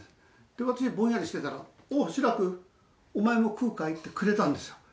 で、私がぼんやりしてたら、おお、志らく、お前も食うかい？ってくれたんですよ。